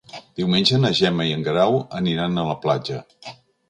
Diumenge na Gemma i en Guerau aniran a la platja.